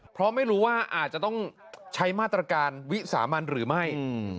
เพราะไม่รู้ว่าอาจจะต้องใช้มาตรการวิสามันหรือไม่